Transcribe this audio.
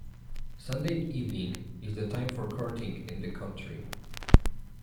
Sunday evening is the time for courting, in the country.